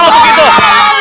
allah allah allah